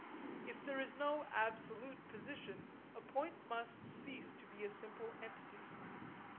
If there is no absolute position, a point must cease to be a simple entity.